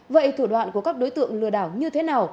vậy thủ đoạn của các đối tượng lừa đảo như thế nào